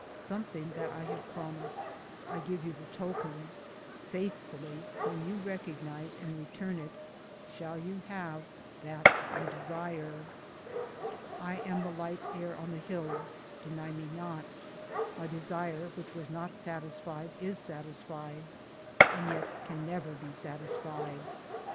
Something that I have promised. I give you the token. Faithfully when you recognise and return it shall you have that you desire. I am the light air on the hills — deny me not ; my desire which was not satisfied is satisfied, and yet can never be satisfied.